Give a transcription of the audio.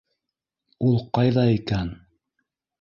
Ул ҡайҙа икән?!